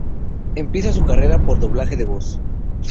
Empiece su carrera por doblaje de voz.